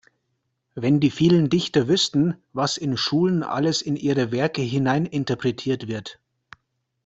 Wenn die vielen Dichter wüssten, was in Schulen alles in ihre Werke hineininterpretiert wird!